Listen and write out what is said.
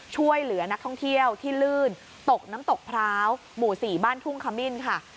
ช่วยเหลือนักท่องเที่ยวที่ลื่นตกน้ำตกพร้าวหมู่๔บ้านทุ่งขมิ้นค่ะ